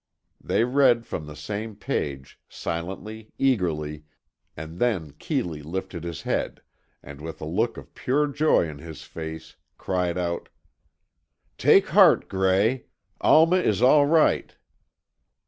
They read from the same page, silently, eagerly, and then Keeley lifted his head, and with a look of pure joy on his face cried out: "Take heart, Gray, Alma is all right!"